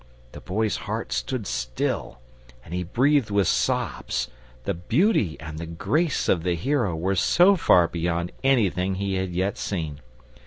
The Boy's heart stood still and he breathed with sobs, the beauty and the grace of the hero were so far beyond anything he had yet seen.